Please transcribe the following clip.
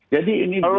jadi ini belum bangun